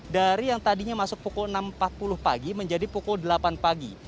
dari yang tadinya masuk pukul enam empat puluh pagi menjadi pukul delapan pagi